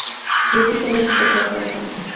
A los doce años se fue a trabajar al campo.